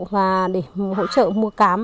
và để hỗ trợ mua cám